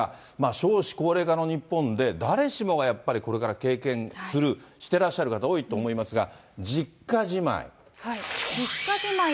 少子高齢化の日本で、誰しもが、やっぱりこれから経験する、してらっしゃる方、多いと思いますが、実家じまい。